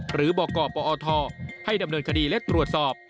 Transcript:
หรือบกปอทให้ดำเนินคดีและตรวจสอบ